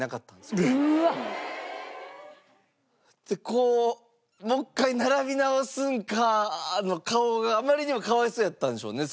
こうもう１回並び直すんかの顔があまりにも可哀想やったんでしょうね。